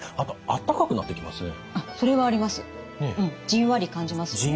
じんわり感じますね。